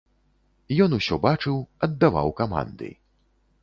Ён усё бачыў, аддаваў каманды.